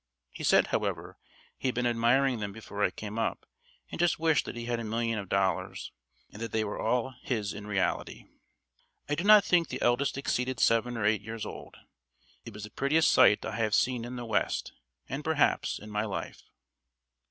He said, however, he had been admiring them before I came up, and just wished that he had a million of dollars, and that they were all his in reality. I do not think the eldest exceeded seven or eight years old. It was the prettiest sight I have seen in the west, and, perhaps, in my life.